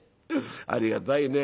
ありがたいね。